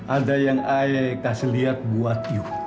ada yang saya kasih lihat buat kamu